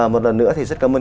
một lần nữa thì rất cảm ơn